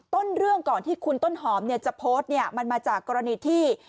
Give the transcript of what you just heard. ต้นเรื่องก่อนที่คุณต้นหอมจะโพสต์เนี่ยมันมาจากกรณีที่